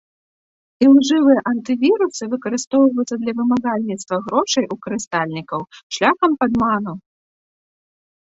Ілжывыя антывірусы выкарыстоўваюцца для вымагальніцтва грошай у карыстальнікаў шляхам падману.